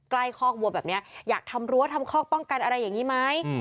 คอกวัวแบบนี้อยากทำรั้วทำคอกป้องกันอะไรอย่างนี้ไหม